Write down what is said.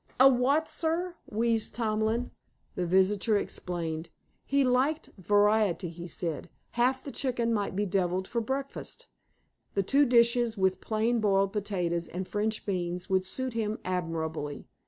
"A what a, sir?" wheezed Tomlin. The visitor explained. He liked variety, he said. Half the chicken might be deviled for breakfast. The two dishes, with plain boiled potatoes and French beans, would suit him admirably.